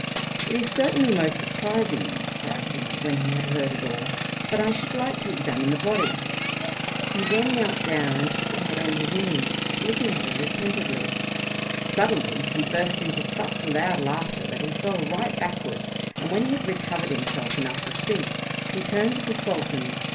"It is certainly most surprising," cried he, when he had heard it all, "but I should like to examine the body." He then knelt down, and took the head on his knees, looking at it attentively. Suddenly he burst into such loud laughter that he fell right backwards, and when he had recovered himself enough to speak, he turned to the Sultan.